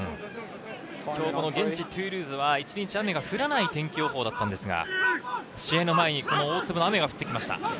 現地トゥールーズは一日雨が降らない天気予報でしたが、試合の前に大粒の雨が降ってきました。